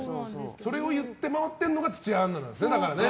それを言って回ってるのが土屋アンナなんですね。